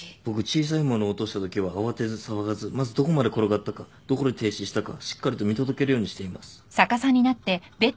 僕小さい物を落としたときは慌てず騒がずまずどこまで転がったかどこで停止したかしっかりと見届けるようにしています。